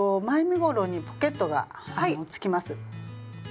前身ごろにポケットがつきます。